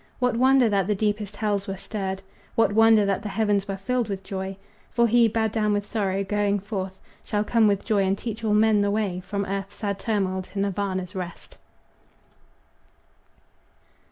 What wonder that the deepest hells were stirred? What wonder that the heavens were filled with joy? For he, bowed down with sorrow, going forth, Shall come with joy and teach all men the way From earth's sad turmoil to Nirvana's rest.